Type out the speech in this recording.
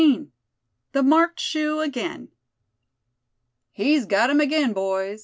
THE MARKED SHOE AGAIN. "He's got 'em again, boys!"